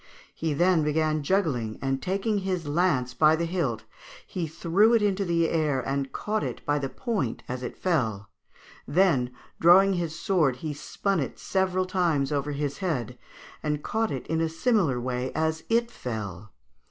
He then began juggling, and taking his lance by the hilt, he threw it into the air and caught it by the point as it fell; then, drawing his sword, he spun it several times over his head, and caught it in a similar way as it fell.